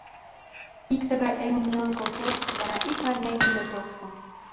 Ик тыгай эмым нелын колтет — вара ик арня йӱмет ок шу.